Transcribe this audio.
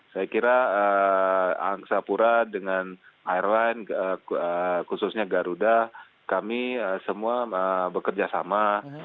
saya kira angkasa pura dengan airline khususnya garuda kami semua bekerja sama